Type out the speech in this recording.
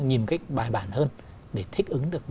nhìn cách bài bản hơn để thích ứng được